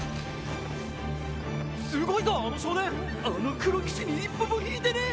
・すごいぞあの少年・あの黒騎士に一歩も引いてねえ